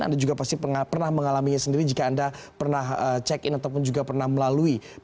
anda juga pasti pernah mengalaminya sendiri jika anda pernah check in ataupun juga pernah melalui